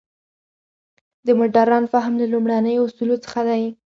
د مډرن فهم له لومړنیو اصولو څخه دی.